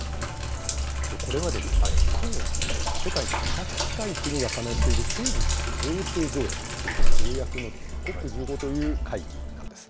これは日本をはじめ、世界の２００近い国が加盟している生物多様性条約という条約のＣＯＰ１５という会議なんです。